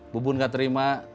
bubun nggak terima